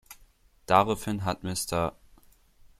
Daraufhin hat Mr.